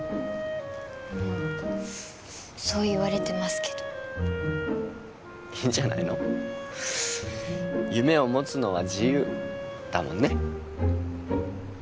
まあそう言われてますけどいいんじゃないの夢を持つのは自由だもんね